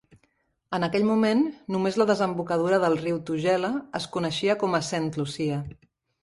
En aquell moment, només la desembocadura del riu Tugela es coneixia com a Saint Lucia.